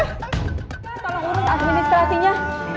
mas tolong urut administrasinya